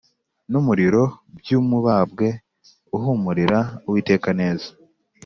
N umuriro by umubabwe uhumurira uwiteka neza